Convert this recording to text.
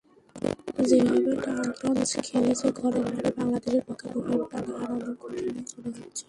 যেভাবে টারটনস খেলেছে ঘরের মাঠে, বাংলাদেশের পক্ষে ভুটানকে হারানো কঠিনই মনে হচ্ছে।